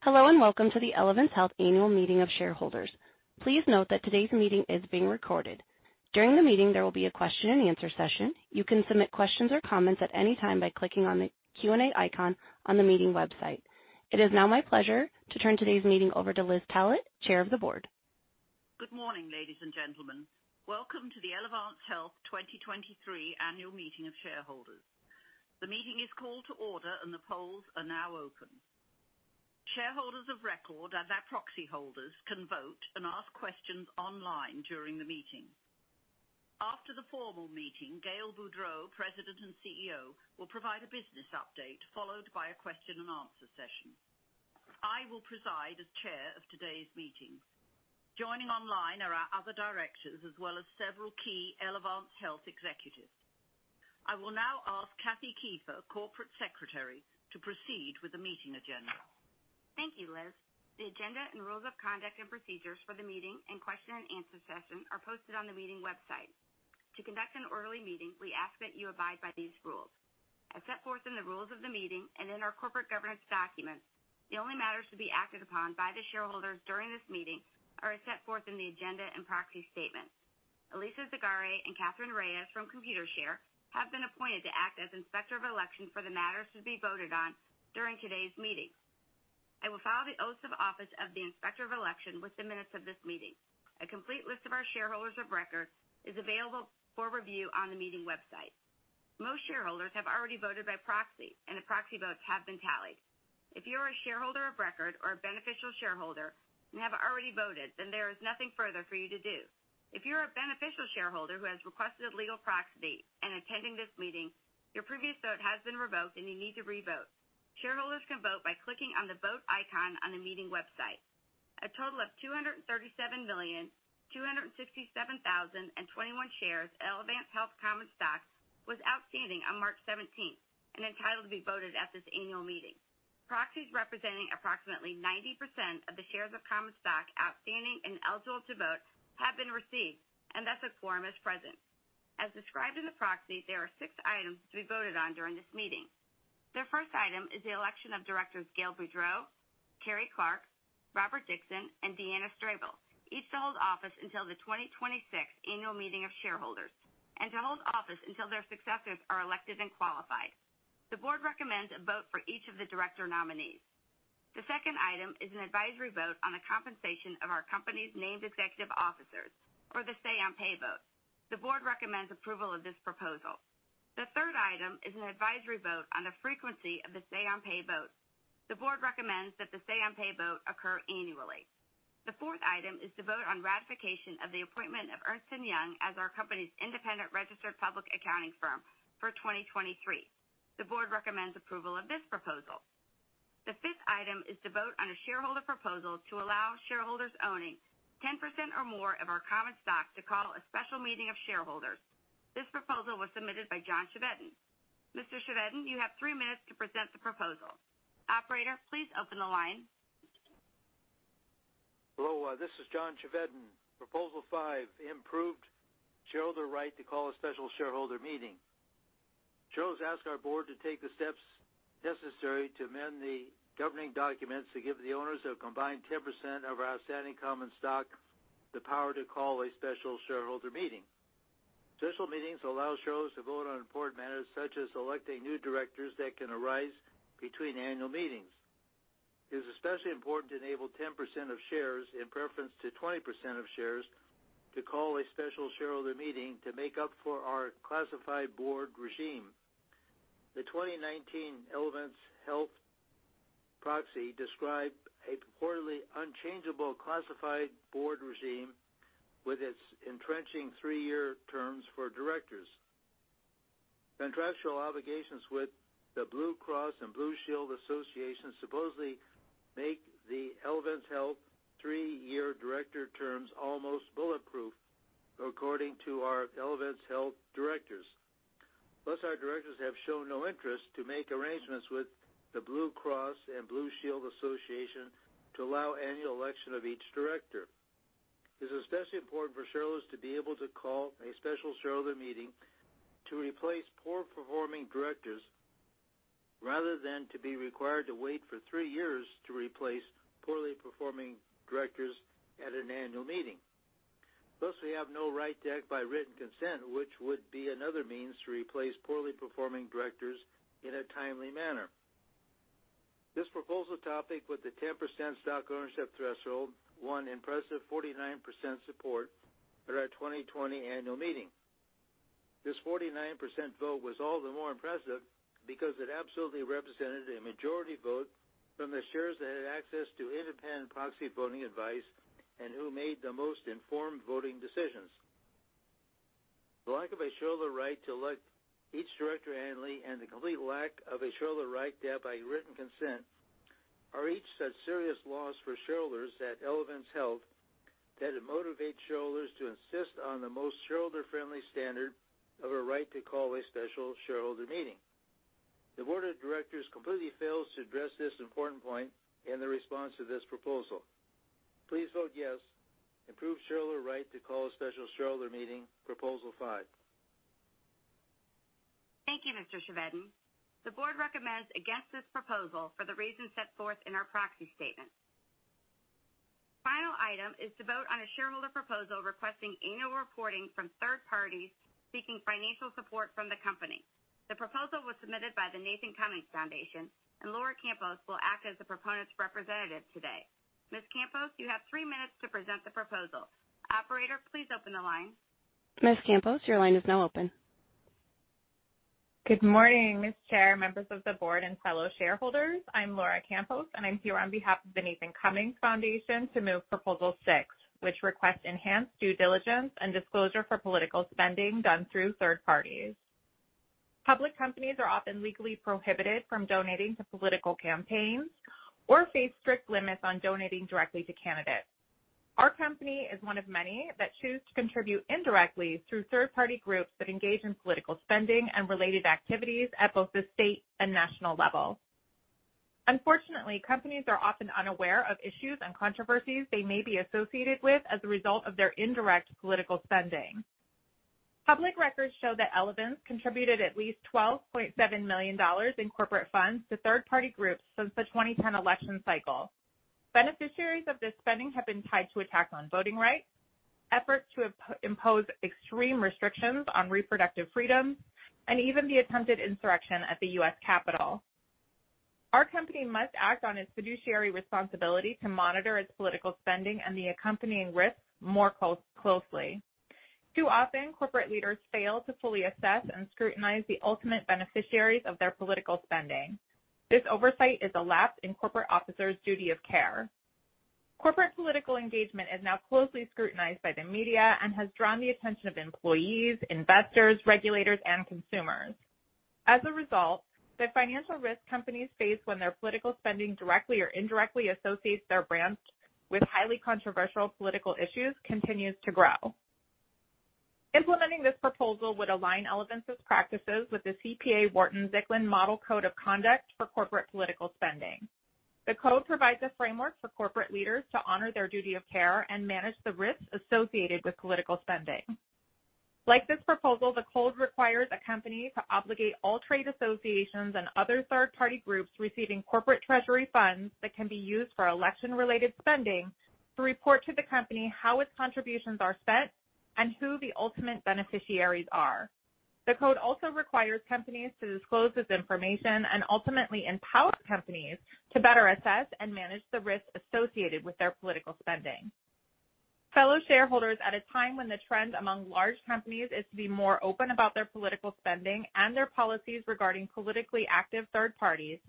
Hello, welcome to the Elevance Health Annual Meeting of Shareholders. Please note that today's meeting is being recorded. During the meeting, there will be a question and answer session. You can submit questions or comments at any time by clicking on the Q&A icon on the meeting website. It is now my pleasure to turn today's meeting over to Liz Tallett, Chair of the Board. Good morning, ladies and gentlemen. Welcome to the Elevance Health 2023 Annual Meeting of Shareholders. The meeting is called to order and the polls are now open. Shareholders of record and their proxy holders can vote and ask questions online during the meeting. After the formal meeting, Gail Boudreaux, President and CEO, will provide a business update followed by a question and answer session. I will preside as Chair of today's meeting. Joining online are our other directors as well as several key Elevance Health executives. I will now ask Kathy Kiefer, Corporate Secretary, to proceed with the meeting agenda. Thank you, Liz. The agenda and rules of conduct and procedures for the meeting and question and answer session are posted on the meeting website. To conduct an orderly meeting, we ask that you abide by these rules. As set forth in the rules of the meeting and in our corporate governance documents, the only matters to be acted upon by the shareholders during this meeting are as set forth in the agenda and proxy statement. Elisa Zagari and Katherine Reyes from Computershare have been appointed to act as Inspector of Election for the matters to be voted on during today's meeting. I will file the oaths of office of the Inspector of Election with the minutes of this meeting. A complete list of our shareholders of record is available for review on the meeting website. Most shareholders have already voted by proxy, and the proxy votes have been tallied. If you are a shareholder of record or a beneficial shareholder and have already voted, there is nothing further for you to do. If you're a beneficial shareholder who has requested legal proxy and attending this meeting, your previous vote has been revoked and you need to revote. Shareholders can vote by clicking on the Vote icon on the meeting website. A total of 237,267,021 shares of Elevance Health common stocks was outstanding on March 17th and entitled to be voted at this annual meeting. Proxies representing approximately 90% of the shares of common stock outstanding and eligible to vote have been received, thus a quorum is present. As described in the proxy, there are 6 items to be voted on during this meeting. The first item is the election of directors Gail Boudreaux, Terry Clark, Robert Dixon, and Deanna Strable, each to hold office until the 2026 Annual Meeting of Shareholders and to hold office until their successors are elected and qualified. The board recommends a vote for each of the director nominees. The second item is an advisory vote on the compensation of our company's named executive officers or the say on pay vote. The board recommends approval of this proposal. The third item is an advisory vote on the frequency of the say on pay vote. The board recommends that the say on pay vote occur annually. The fourth item is to vote on ratification of the appointment of Ernst & Young as our company's independent registered public accounting firm for 2023. The board recommends approval of this proposal. The fifth item is to vote on a shareholder proposal to allow shareholders owning 10% or more of our common stock to call a special meeting of shareholders. This proposal was submitted by John Chevedden. Mr. Chevedden, you have three minutes to present the proposal. Operator, please open the line. Hello, this is John Chevedden. Proposal five, improved shareholder right to call a special shareholder meeting. Shareholders ask our board to take the steps necessary to amend the governing documents to give the owners of combined 10% of our outstanding common stock the power to call a special shareholder meeting. Special meetings allow shareholders to vote on important matters such as electing new directors that can arise between annual meetings. It is especially important to enable 10% of shares, in preference to 20% of shares, to call a special shareholder meeting to make up for our classified board regime. The 2019 Elevance Health proxy described a purportedly unchangeable classified board regime with its entrenching three-year terms for directors. Contractual obligations with the Blue Cross Blue Shield Association supposedly make the Elevance Health three-year director terms almost bulletproof, according to our Elevance Health directors. Our directors have shown no interest to make arrangements with the Blue Cross Blue Shield Association to allow annual election of each director. It is especially important for shareholders to be able to call a special shareholder meeting to replace poor-performing directors rather than to be required to wait for 3 years to replace poorly performing directors at an annual meeting. We have no right to act by written consent, which would be another means to replace poorly performing directors in a timely manner. This proposal topic with the 10% stock ownership threshold won impressive 49% support at our 2020 annual meeting. This 49% vote was all the more impressive because it absolutely represented a majority vote from the shares that had access to independent proxy voting advice and who made the most informed voting decisions. The lack of a shareholder right to elect each director annually and the complete lack of a shareholder right to have by written consent are each such serious loss for shareholders at Elevance Health that it motivates shareholders to insist on the most shareholder-friendly standard of a right to call a special shareholder meeting. The board of directors completely fails to address this important point in the response to this proposal. Please vote yes. Improve shareholder right to call a special shareholder meeting, proposal 5. Thank you, Mr. Chevedden. The board recommends against this proposal for the reasons set forth in our proxy statement. Final item is to vote on a shareholder proposal requesting annual reporting from third parties seeking financial support from the company. The proposal was submitted by the Nathan Cummings Foundation, and Laura Campos will act as the proponent's representative today. Ms. Campos, you have three minutes to present the proposal. Operator, please open the line. Ms. Campos, your line is now open. Good morning, Ms. Chair, members of the board, and fellow shareholders. I'm Laura Campos, and I'm here on behalf of the Nathan Cummings Foundation to move proposal six, which requests enhanced due diligence and disclosure for political spending done through third parties. Public companies are often legally prohibited from donating to political campaigns or face strict limits on donating directly to candidates. Our company is one of many that choose to contribute indirectly through third-party groups that engage in political spending and related activities at both the state and national level. Unfortunately, companies are often unaware of issues and controversies they may be associated with as a result of their indirect political spending. Public records show that Elevance contributed at least $12.7 million in corporate funds to third-party groups since the 2010 election cycle. Beneficiaries of this spending have been tied to attacks on voting rights, efforts to impose extreme restrictions on reproductive freedom, and even the attempted insurrection at the U.S. Capitol. Our company must act on its fiduciary responsibility to monitor its political spending and the accompanying risks more closely. Too often, corporate leaders fail to fully assess and scrutinize the ultimate beneficiaries of their political spending. This oversight is a lapse in corporate officers' duty of care. Corporate political engagement is now closely scrutinized by the media and has drawn the attention of employees, investors, regulators, and consumers. As a result, the financial risk companies face when their political spending directly or indirectly associates their brands with highly controversial political issues continues to grow. Implementing this proposal would align Elevance's practices with the CPA-Wharton Zicklin Model Code of Conduct for Corporate Political Spending. The code provides a framework for corporate leaders to honor their duty of care and manage the risks associated with political spending. Like this proposal, the code requires a company to obligate all trade associations and other third-party groups receiving corporate treasury funds that can be used for election-related spending to report to the company how its contributions are spent and who the ultimate beneficiaries are. The code also requires companies to disclose this information and ultimately empower companies to better assess and manage the risks associated with their political spending. Fellow shareholders, at a time when the trend among large companies is to be more open about their political spending and their policies regarding politically active third parties,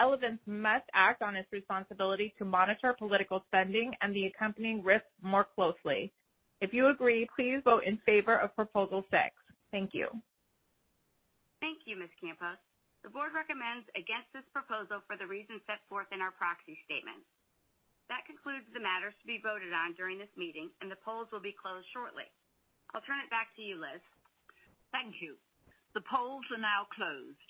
Elevance must act on its responsibility to monitor political spending and the accompanying risks more closely. If you agree, please vote in favor of proposal 6. Thank you. Thank you, Ms. Campos. The board recommends against this proposal for the reasons set forth in our proxy statement. That concludes the matters to be voted on during this meeting, and the polls will be closed shortly. I'll turn it back to you, Liz. Thank you. The polls are now closed.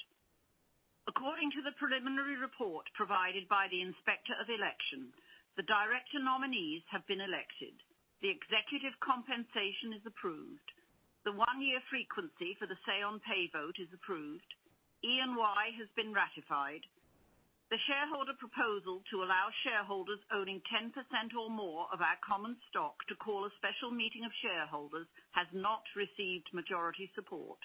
According to the preliminary report provided by the Inspector of Election, the director nominees have been elected, the executive compensation is approved, the one-year frequency for the say on pay vote is approved, EY has been ratified. The shareholder proposal to allow shareholders owning 10% or more of our common stock to call a special meeting of shareholders has not received majority support,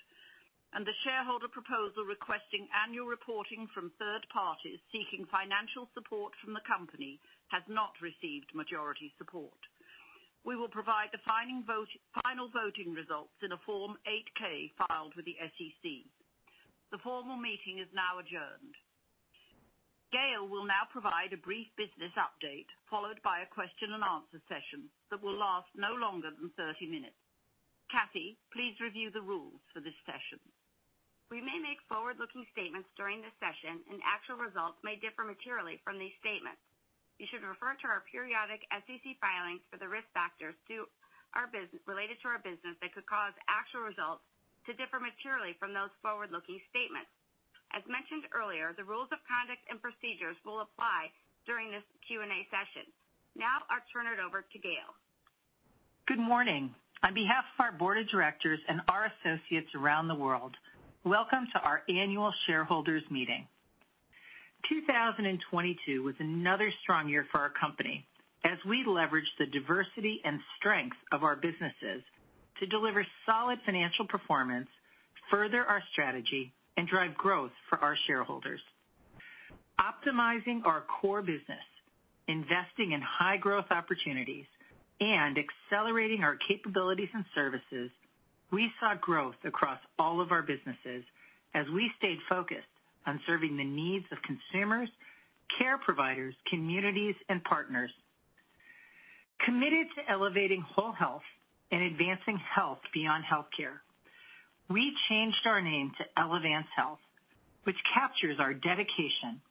the shareholder proposal requesting annual reporting from third parties seeking financial support from the company has not received majority support. We will provide the final voting results in a Form 8-K filed with the SEC. The formal meeting is now adjourned. Gail will now provide a brief business update followed by a question and answer session that will last no longer than 30 minutes. Kathy, please review the rules for this session. We may make forward-looking statements during this session, and actual results may differ materially from these statements. You should refer to our periodic S.E.C. filings for the risk factors related to our business that could cause actual results to differ materially from those forward-looking statements. As mentioned earlier, the rules of conduct and procedures will apply during this Q&A session. Now I'll turn it over to Gail. Good morning. On behalf of our board of directors and our associates around the world, welcome to our annual shareholders meeting. 2022 was another strong year for our company as we leveraged the diversity and strength of our businesses to deliver solid financial performance, further our strategy, and drive growth for our shareholders. Optimizing our core business, investing in high-growth opportunities, and accelerating our capabilities and services, we saw growth across all of our businesses as we stayed focused on serving the needs of consumers, care providers, communities, and partners. Committed to elevating whole health and advancing health beyond healthcare, we changed our name to Elevance Health, which captures our dedication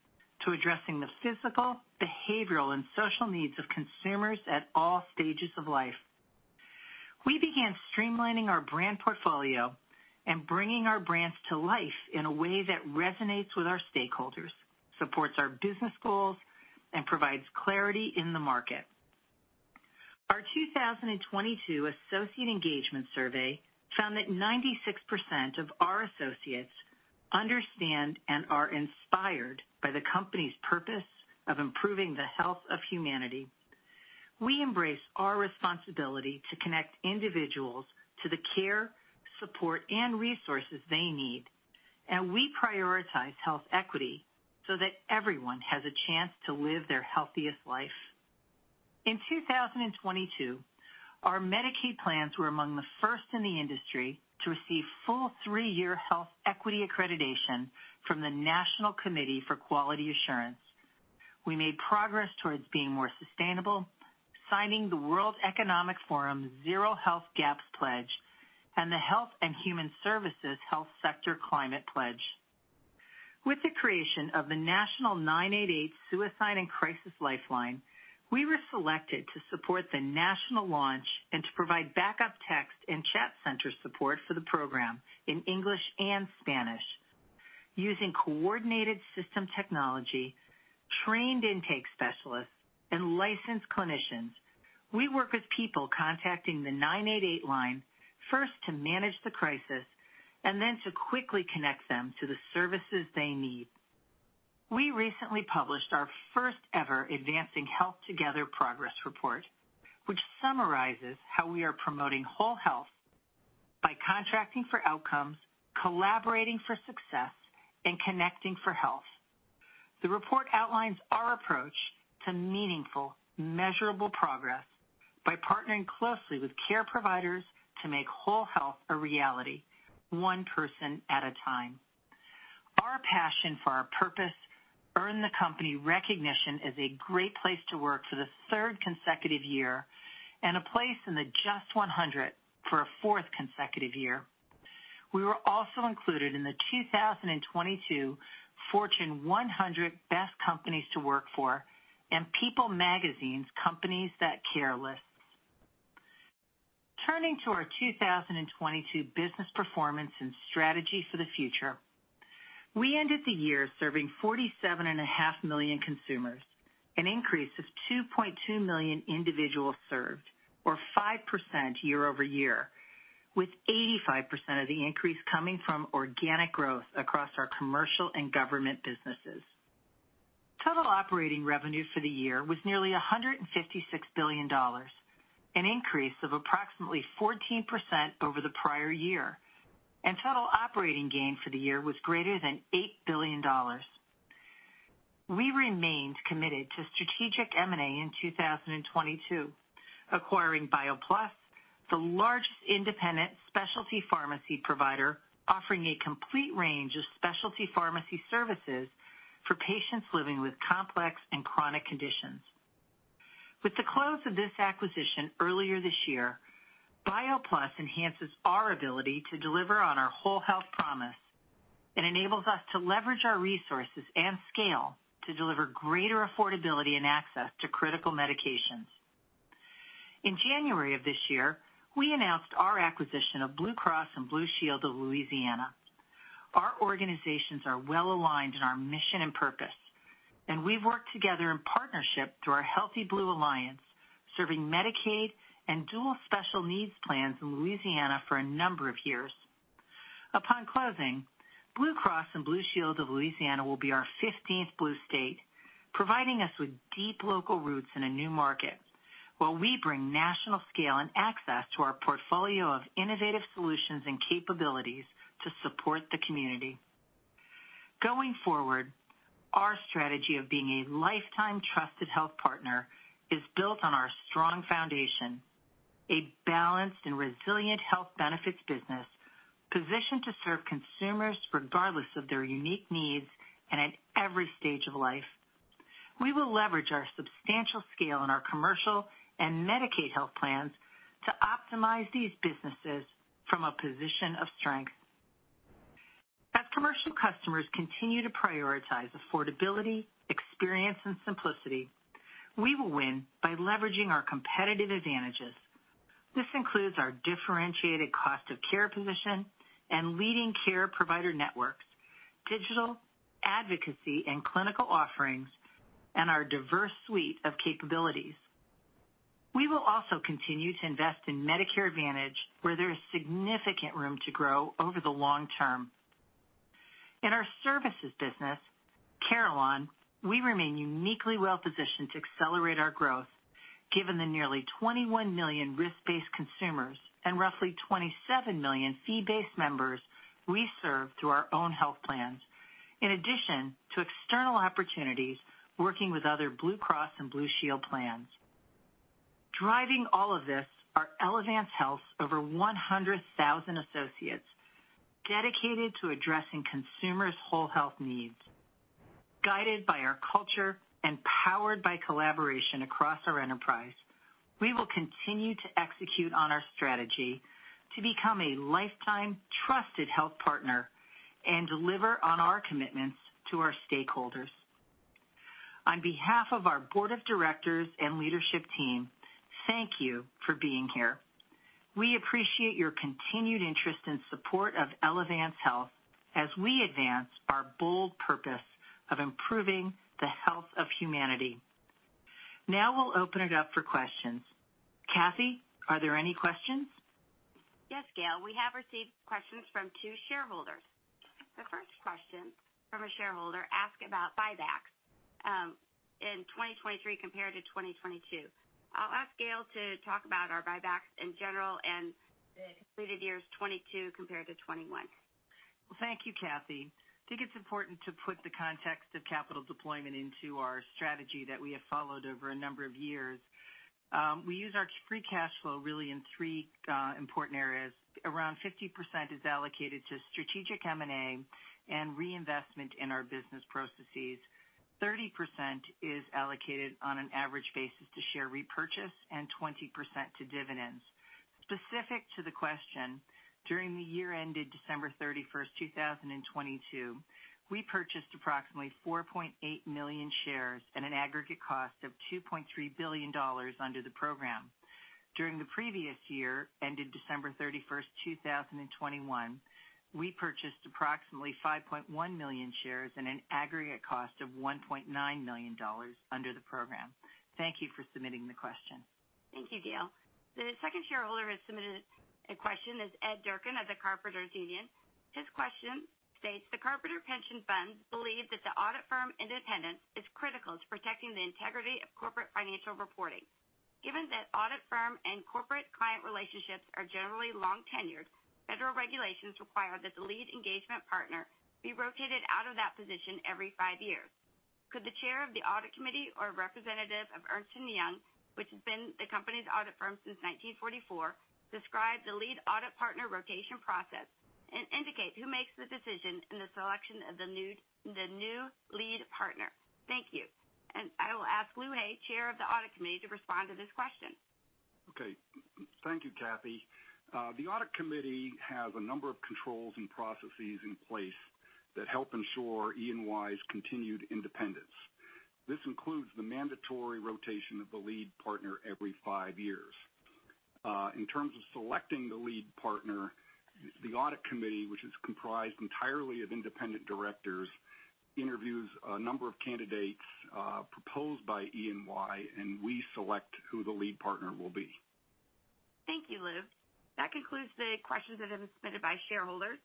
to addressing the physical, behavioral, and social needs of consumers at all stages of life. We began streamlining our brand portfolio and bringing our brands to life in a way that resonates with our stakeholders, supports our business goals, and provides clarity in the market. Our 2022 associate engagement survey found that 96% of our associates understand and are inspired by the company's purpose of improving the health of humanity. We embrace our responsibility to connect individuals to the care, support, and resources they need, and we prioritize health equity so that everyone has a chance to live their healthiest life. In 2022, our Medicaid plans were among the first in the industry to receive full 3-year health equity accreditation from the National Committee for Quality Assurance. We made progress towards being more sustainable, signing the World Economic Forum's Zero Health Gaps pledge and the Health and Human Services Health Sector Climate Pledge. With the creation of the national 988 Suicide & Crisis Lifeline, we were selected to support the national launch and to provide backup text and chat center support for the program in English and Spanish. Using coordinated system technology, trained intake specialists, and licensed clinicians, we work with people contacting the 988 line first to manage the crisis and then to quickly connect them to the services they need. We recently published our first ever Advancing Health Together progress report, which summarizes how we are promoting whole health by contracting for outcomes, collaborating for success, and connecting for health. The report outlines our approach to meaningful, measurable progress by partnering closely with care providers to make whole health a reality one person at a time. Our passion for our purpose earned the company recognition as a Great Place To Work for the third consecutive year and a place in the JUST 100 for a fourth consecutive year. We were also included in the 2022 Fortune 100 Best Companies to Work For and PEOPLE magazine's Companies That Care list. Turning to our 2022 business performance and strategy for the future. We ended the year serving 47 and a half million consumers, an increase of 2.2 million individuals served, or 5% year-over-year, with 85% of the increase coming from organic growth across our commercial and government businesses. Total operating revenue for the year was nearly $156 billion, an increase of approximately 14% over the prior year, and total operating gain for the year was greater than $8 billion. We remained committed to strategic M&A in 2022, acquiring BioPlus, the largest independent specialty pharmacy provider, offering a complete range of specialty pharmacy services for patients living with complex and chronic conditions. With the close of this acquisition earlier this year, BioPlus enhances our ability to deliver on our whole health promise and enables us to leverage our resources and scale to deliver greater affordability and access to critical medications. In January of this year, we announced our acquisition of Blue Cross and Blue Shield of Louisiana. Our organizations are well-aligned in our mission and purpose, and we've worked together in partnership through our Healthy Blue Alliance, serving Medicaid and dual special needs plans in Louisiana for a number of years. Upon closing, Blue Cross and Blue Shield of Louisiana will be our fifteenth blue state, providing us with deep local roots in a new market, while we bring national scale and access to our portfolio of innovative solutions and capabilities to support the community. Going forward, our strategy of being a lifetime trusted health partner is built on our strong foundation, a balanced and resilient health benefits business positioned to serve consumers regardless of their unique needs and at every stage of life. We will leverage our substantial scale in our commercial and Medicaid health plans to optimize these businesses from a position of strength. As commercial customers continue to prioritize affordability, experience, and simplicity, we will win by leveraging our competitive advantages. This includes our differentiated cost of care position and leading care provider networks, digital advocacy and clinical offerings, and our diverse suite of capabilities. We will also continue to invest in Medicare Advantage, where there is significant room to grow over the long term. In our services business, Carelon, we remain uniquely well-positioned to accelerate our growth, given the nearly 21 million risk-based consumers and roughly 27 million fee-based members we serve through our own health plans, in addition to external opportunities working with other Blue Cross and Blue Shield plans. Driving all of this are Elevance Health's over 100,000 associates dedicated to addressing consumers' whole health needs. Guided by our culture and powered by collaboration across our enterprise, we will continue to execute on our strategy to become a lifetime trusted health partner and deliver on our commitments to our stakeholders. On behalf of our board of directors and leadership team, thank you for being here. We appreciate your continued interest and support of Elevance Health as we advance our bold purpose of improving the health of humanity. Now we'll open it up for questions. Kathy, are there any questions? Yes, Gail. We have received questions from two shareholders. The first question from a shareholder ask about buybacks in 2023 compared to 2022. I'll ask Gail to talk about our buybacks in general and the completed years 22 compared to 21. Well, thank you, Kathy. I think it's important to put the context of capital deployment into our strategy that we have followed over a number of years. We use our free cash flow really in 3 important areas. Around 50% is allocated to strategic M&A and reinvestment in our business processes. 30% is allocated on an average basis to share repurchase and 20% to dividends. Specific to the question, during the year ended December 31st, 2022, we purchased approximately 4.8 million shares at an aggregate cost of $2.3 billion under the program. During the previous year, ended December 31st, 2021, we purchased approximately 5.1 million shares at an aggregate cost of $1.9 million under the program. Thank you for submitting the question. Thank you, Gail. The second shareholder that submitted a question is Ed Durkin of the Carpenters Union. His question states, "The Carpenter Pension Funds believe that the audit firm independence is critical to protecting the integrity of corporate financial reporting. Given that audit firm and corporate client relationships are generally long-tenured, federal regulations require that the lead engagement partner be rotated out of that position every five years. Could the chair of the Audit Committee or a representative of Ernst & Young, which has been the company's audit firm since 1944, describe the lead audit partner rotation process and indicate who makes the decision in the new lead partner? Thank you." I will ask Lewis Hay, Chair of the Audit Committee, to respond to this question. Okay. Thank you, Kathy. The Audit Committee has a number of controls and processes in place that help ensure EY's continued independence. This includes the mandatory rotation of the lead partner every five years. In terms of selecting the lead partner, the Audit Committee, which is comprised entirely of independent directors, interviews a number of candidates proposed by EY, and we select who the lead partner will be. Thank you, Lou. That concludes the questions that have been submitted by shareholders.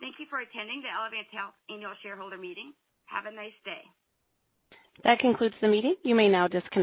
Thank you for attending the Elevance Health Annual Shareholder Meeting. Have a nice day. That concludes the meeting. You may now disconnect.